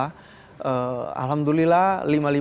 alhamdulillah lima orang di dalam keluarga itu sudah saya daftarkan haji